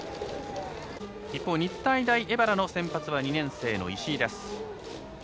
一方、日体大荏原の先発は２年生の石井です。